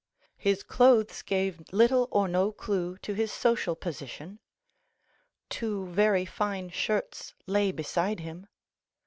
His clothes gave little or no clue to his social position. Two very fine shirts lay beside him.